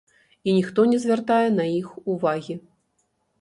І ніхто не звяртае на іх увагі.